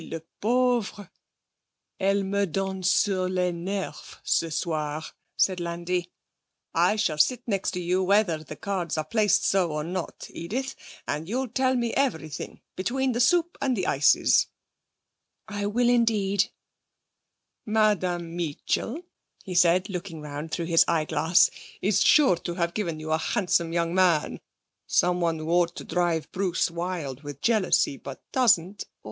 La pauvre! Elle me donne sur les nerfs ce soir,' said Landi. 'I shall sit next to you whether the cards are placed so or not, Edith, and you'll tell me everything between the soup and the ices.' 'I will indeed.' 'Madame Meetchel,' he said, looking round through his eyeglass, 'is sure to have given you a handsome young man, someone who ought to drive Bruce wild with jealousy, but doesn't, or